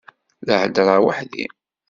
La heddṛeɣ weḥd-i.